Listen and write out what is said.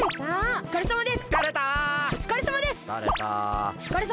おつかれさまです！